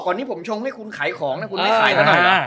ก่อนนี้ผมชงให้คุณขายของนะคุณ